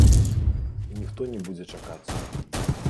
Ніхто не будзе чакаць.